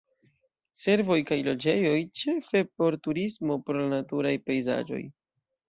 Servoj kaj loĝejoj ĉefe por turismo pro la naturaj pejzaĝoj.